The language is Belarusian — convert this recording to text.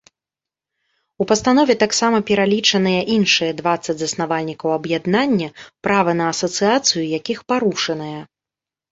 У пастанове таксама пералічаныя іншыя дваццаць заснавальнікаў аб'яднання, права на асацыяцыю якіх парушанае.